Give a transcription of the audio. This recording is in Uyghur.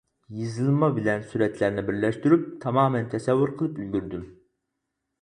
يېزىلما بىلەن سۈرەتلەرنى بىرلەشتۈرۈپ، تامامەن تەسەۋۋۇر قىلىپ ئۈلگۈردۈم.